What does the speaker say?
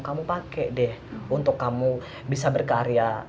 kamu pakai deh untuk kamu bisa berkarya